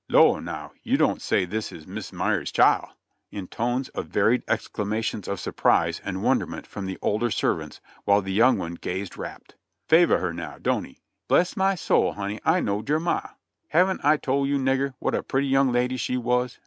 "Lor', now, you don't say this is Miss Mary's chile !" in tones of varied exclamations of surprise and wonderment from the older servants, while the young ones gazed wrapt. "Favors her now, don't he?"' "Bless my soul, honey, I knowed yer ma! Haven't I tole you, nigger, what a pretty young lady she was?"